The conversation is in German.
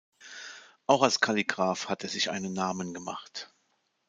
Auch als Kalligraph hat er sich einen Namen gemacht.